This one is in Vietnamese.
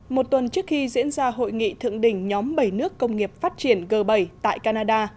một tuần trước khi diễn ra hội nghị thượng đỉnh nhóm bảy nước công nghiệp phát triển g bảy tại canada